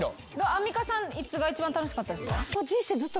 アンミカさんいつが一番楽しかったですか？